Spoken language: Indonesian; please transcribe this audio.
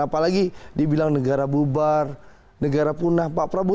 apalagi dibilang negara bubar negara punah